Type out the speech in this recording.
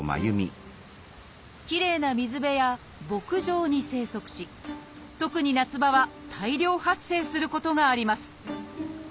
きれいな水辺や牧場に生息し特に夏場は大量発生することがあります